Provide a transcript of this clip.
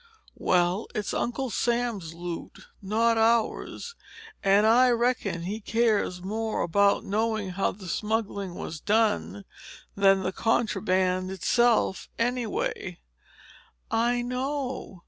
"Well, it's Uncle Sam's loot, not ours. And I reckon he cares more about knowing how the smuggling was done than the contraband itself, anyway." "I know.